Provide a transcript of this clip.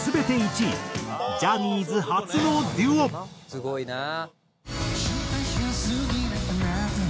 「すごいなあ！」